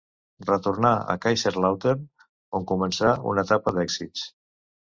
Retornà al Kaiserslautern on començà una etapa d'èxits.